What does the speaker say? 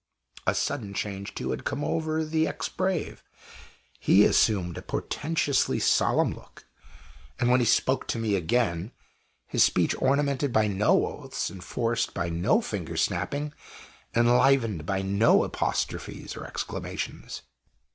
A sudden change, too, had come over the "ex brave." He assumed a portentously solemn look; and when he spoke to me again, his speech was ornamented by no oaths, enforced by no finger snapping, enlivened by no apostrophes or exclamations.